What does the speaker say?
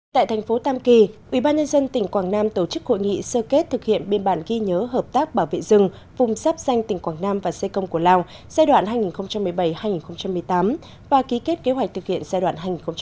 tại thành phố tam kỳ ubnd tỉnh quảng nam tổ chức hội nghị sơ kết thực hiện biên bản ghi nhớ hợp tác bảo vệ rừng vùng sáp xanh tỉnh quảng nam và xê công của lào giai đoạn hai nghìn một mươi bảy hai nghìn một mươi tám và ký kết kế hoạch thực hiện giai đoạn hai nghìn một mươi sáu hai nghìn một mươi chín